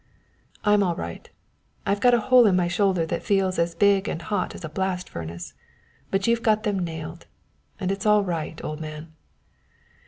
"I'm all right. I've got a hole in my shoulder that feels as big and hot as a blast furnace. But we've got them nailed, and it's all right, old man!"